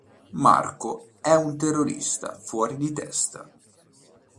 Marco è un terrorista fuori di testa.